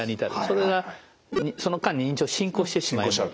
それがその間に認知症進行してしまう。